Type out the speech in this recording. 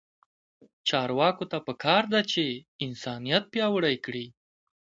چارواکو ته پکار ده چې، انسانیت پیاوړی کړي.